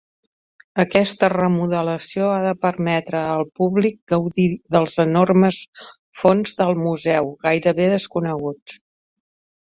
Aquesta remodelació ha de permetre al públic gaudir dels enormes fons del museu, gairebé desconeguts.